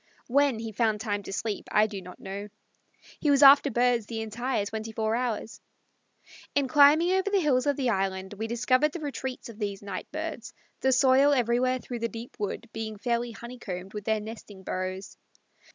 When he found time to sleep I do not know. He was after birds the entire twenty four hours. In climbing over the hills of the island we discovered the retreats of these night birds, the soil everywhere through the deep wood being fairly honeycombed with their nesting burrows.